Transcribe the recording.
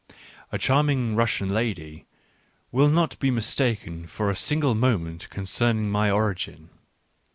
A charming Russian lady will not be mistaken for a single moment concerning my origin.